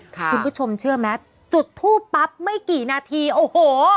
คุณผู้ชมเชื่อไหมจุดทูปปั๊บไม่กี่นาทีโอ้โห